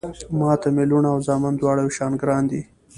ما ته مې لوڼه او زامن دواړه يو شان ګران دي